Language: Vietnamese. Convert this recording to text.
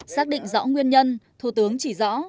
xác định rõ nguyên nhân thủ tướng chỉ rõ